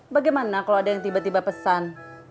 bagaimana kalau ada yang tiba tiba pesan